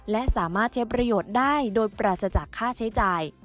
และสามารถใช้ประโยชน์ได้โดยปราศจากค่าใช้จ่าย